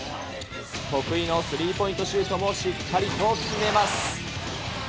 得意のスリーポイントシュートもしっかりと決めます。